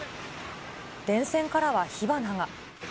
電線からは火花が。